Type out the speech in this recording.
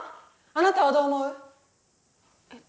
あなたはどう思う？え？